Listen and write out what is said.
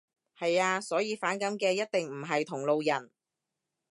係呀。所以反感嘅一定唔係同路人